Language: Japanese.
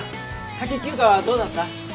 夏季休暇はどうだった？